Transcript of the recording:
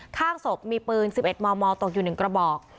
ข้างศพมีปืน๑๑มมตกอยู่๑กระบอก